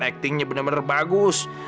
aktingnya bener bener bagus